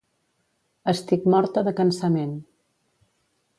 Estic morta de cansament.